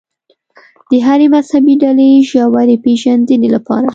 د هرې مذهبي ډلې ژورې پېژندنې لپاره.